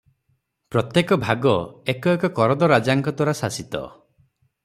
ପ୍ରତ୍ୟେକ ଭାଗ ଏକ ଏକ କରଦରାଜାଙ୍କଦ୍ୱାରା ଶାସିତ ।